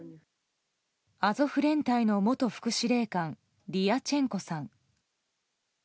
アゾフ連隊の元副司令官ディヤチェンコさん。